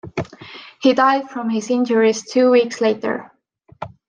He died from his injuries two weeks later.